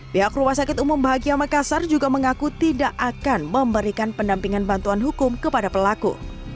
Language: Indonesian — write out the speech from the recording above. pihak rumah sakit umum bahagia makassar juga mengaku tidak akan memberikan pendampingan bantuan hukum kepada pelaku